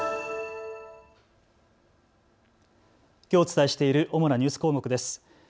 きょうお伝えしている主なニュース項目です。